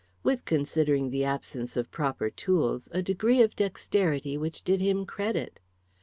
With, considering the absence of proper tools, a degree of dexterity which did him credit.